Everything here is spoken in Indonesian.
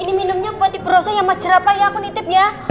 ini minumnya buat ibu rosa yang mas jerapa yang aku nitip ya